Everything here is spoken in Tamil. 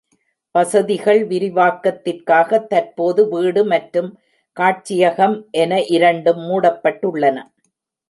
வசதிகள் விரிவாக்கத்திற்காக தற்போது வீடு மற்றும் காட்சியகம் என இரண்டும் மூடப்பட்டுள்ளன.